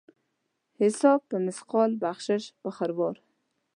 حساب په مثقال ، بخشش په خروار.